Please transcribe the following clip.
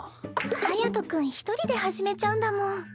隼君１人で始めちゃうんだもん。